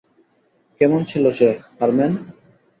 কেমন ছিল সে, হারম্যান?